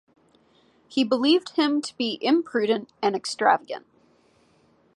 He believed him to be imprudent and extravagant.